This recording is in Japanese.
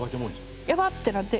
やばっ！ってなって。